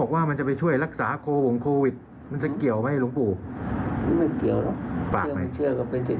ไม่มีใครบังคับ